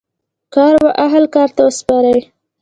کار و اهل کار ته وسپارئ